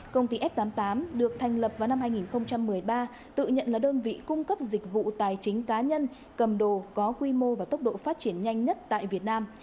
công ty f tám mươi tám được thành lập vào năm hai nghìn một mươi ba tự nhận là đơn vị cung cấp dịch vụ tài chính cá nhân cầm đồ có quy mô và tốc độ phát triển nhanh nhất tại việt nam